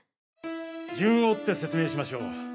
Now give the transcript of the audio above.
順を追って説明しましょう。